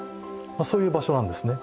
そういう場所なんですね。